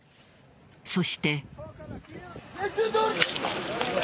そして。